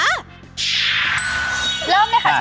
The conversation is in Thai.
เริ่มเนี่ยค่ะเชฟ